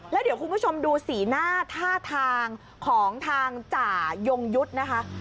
แล้วเดี๋ยวคุณผู้ชมดูสีหน้าท่าทางของทางจ่ายงยุทธ์นะคะ